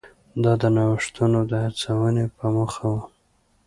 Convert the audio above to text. دا د نوښتونو د هڅونې په موخه و.